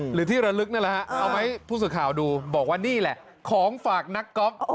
หรือที่ระลึกนั่นแหละฮะเอามาให้ผู้สื่อข่าวดูบอกว่านี่แหละของฝากนักก๊อฟ